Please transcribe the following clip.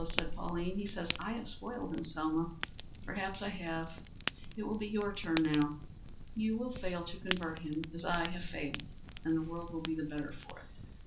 said Pauline. "He says I have spoiled him, Selma. Perhaps I have. It will be your turn now. You will fail to convert him as I have failed, and the world will be the better for it.